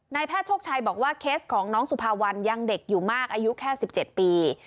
แพทย์โชคชัยบอกว่าเคสของน้องสุภาวันยังเด็กอยู่มากอายุแค่๑๗ปี